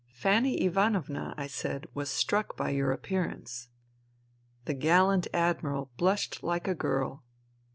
" Fanny Ivanovna," I said, " was struck by yom* appearance." The gallant Admiral blushed like a girl.